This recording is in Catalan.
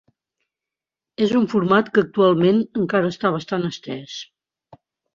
És un format que actualment encara està bastant estès.